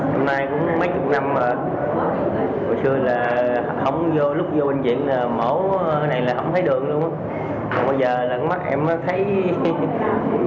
hôm nay cũng mấy chục năm rồi hồi xưa là lúc vô bệnh viện mổ này là không thấy đường luôn bây giờ là mắt em thấy mờ mờ là mừng